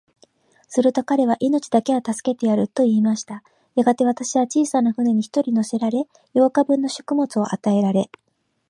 すると彼は、命だけは助けてやる、と言いました。やがて、私は小さな舟に一人乗せられ、八日分の食物を与えられ、